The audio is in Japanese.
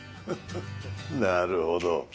なるほど。